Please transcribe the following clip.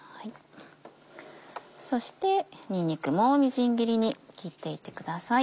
そしてにんにくもみじん切りに切っていってください。